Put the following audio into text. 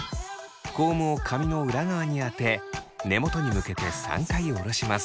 コームを髪の裏側に当て根元に向けて３回おろします。